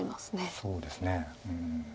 そうですね。